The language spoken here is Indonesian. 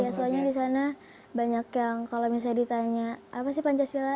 iya soalnya disana banyak yang kalau misalnya ditanya apa sih pancasila